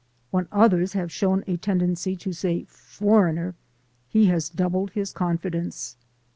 When others have shown a tendency to say "foreigner" he has doubled his confidence.